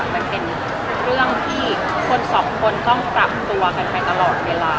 มันเป็นเรื่องที่คนสองคนต้องปรับตัวกันไปตลอดเวลา